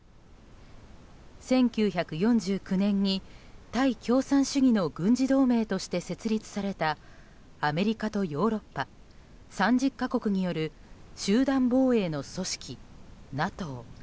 １９４９年に対共産主義の軍事同盟として設立されたアメリカとヨーロッパ３０か国による集団防衛の組織、ＮＡＴＯ。